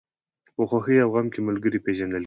په خوښۍ او غم کې ملګری پېژندل کېږي.